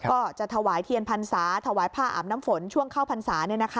ก็จะถวายเทียนพรรษาถวายผ้าอาบน้ำฝนช่วงเข้าพรรษา